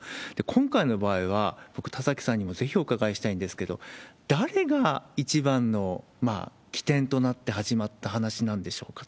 今回の場合は、僕、田崎さんにもぜひお伺いしたいんですけど、誰が一番の起点となって始まった話なんでしょうか？